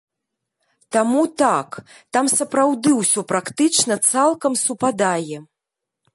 Таму так, там сапраўды ўсё практычна цалкам супадае.